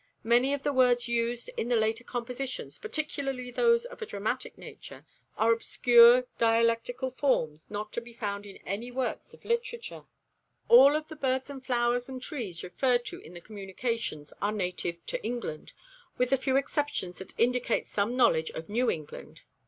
Many of the words used in the later compositions, particularly those of a dramatic nature, are obscure dialectal forms not to be found in any work of literature. All of the birds and flowers and trees referred to in the communications are native to England, with the few exceptions that indicate some knowledge of New England.